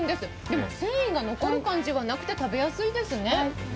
でも繊維が残る感じはなくて、食べやすいですね。